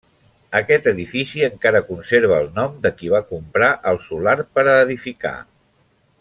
Aquest edifici encara conserva el nom de qui va comprar el solar per a edificar.